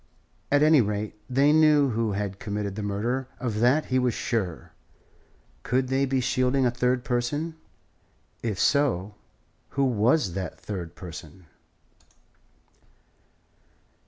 At any rate, they knew who had committed the murder. Of that he was sure. Could they be shielding a third person? If so, who was that third person?